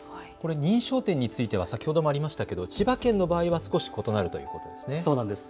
認証店については先ほどもありましたけど千葉県の場合は少し異なるということですね。